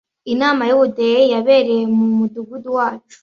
Inama yubudehe yabereye mu Mudugudu wacu.